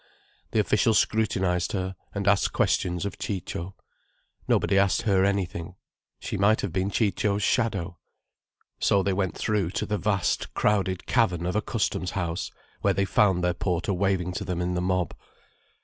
The official scrutinized her, and asked questions of Ciccio. Nobody asked her anything—she might have been Ciccio's shadow. So they went through to the vast, crowded cavern of a Customs house, where they found their porter waving to them in the mob.